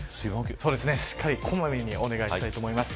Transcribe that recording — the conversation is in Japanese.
しっかり小まめにお願いしたいと思います。